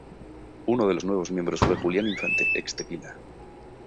Uno de los nuevos miembros fue Julián Infante, ex Tequila.